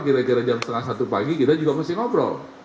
kira kira jam setengah satu pagi kita juga masih ngobrol